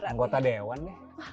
anggota dewan deh